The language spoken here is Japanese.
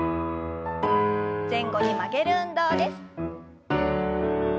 前後に曲げる運動です。